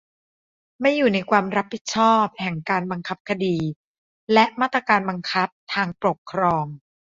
"ไม่อยู่ในความรับผิดแห่งการบังคับคดีและมาตรการบังคับทางปกครอง"